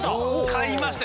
買いました